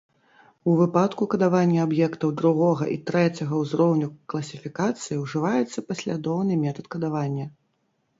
У выпадку кадавання аб'ектаў другога і трэцяга ўзроўню класіфікацыі ўжываецца паслядоўны метад кадавання.